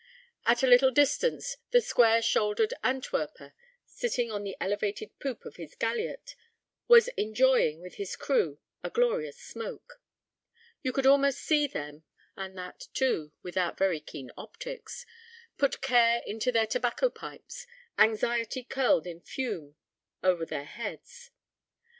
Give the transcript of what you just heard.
At a little distance, the square shouldered Antwerper, sitting on the elevated poop of his galliot, was enjoying, with his crew, a glorious smoke. You could almost see them (and that, too, without very keen optics) put care into their tobacco pipes, anxiety curled in fume over their heads.